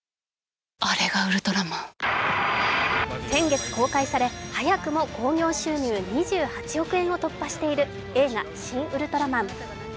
先月公開され早くも興行収入２８億円を突破している映画「シン・ウルトラマン」。